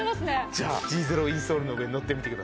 じゃあＧゼロインソールの上にのってみてください。